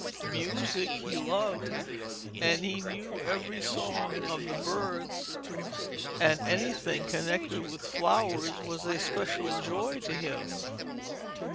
Music he loved, and he knew every song of the birds, and anything connected with flowers was a special joy to him.